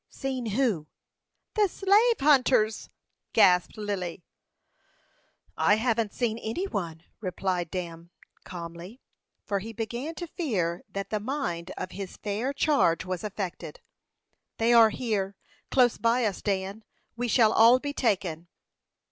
"Seen whom?" "The slave hunters!" gasped Lily. "I haven't seen any one," replied Dan, calmly; for he began to fear that the mind of his fair charge was affected. "They are here close by us, Dan. We shall all be taken."